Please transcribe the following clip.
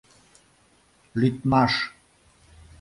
— Лӱдмаш...